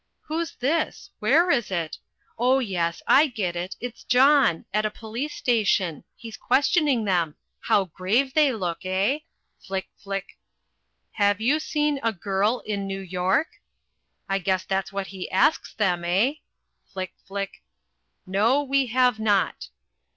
Who's this? Where is it? Oh, yes, I get it it's John at a police station he's questioning them how grave they look, eh? Flick, flick! "HAVE YOU SEEN A GIRL IN NEW YORK?" I guess that's what he asks them, eh? Flick, flick "NO, WE HAVE NOT."